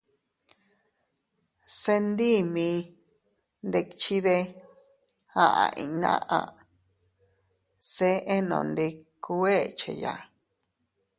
—Se ndii mii ndikchide— aʼa inñnaʼa—, se enondikuu echeya.